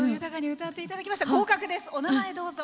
お名前、どうぞ。